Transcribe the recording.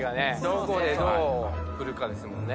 どこでどう振るかですもんね。